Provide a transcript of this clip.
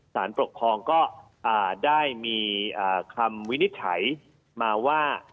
สารปกครองก็ได้มีคำวินิจฉัยมาว่า